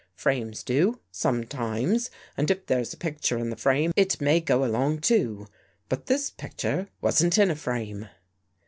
Frames do, sometimes, and if there's a picture in the frame, it may go along too. But this picture wasn't in a frame."